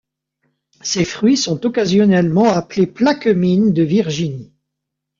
Ces fruits sont occasionnellement appelés plaquemines de Virginie.